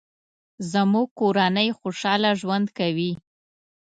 زموږ کورنۍ خوشحاله ژوند کوي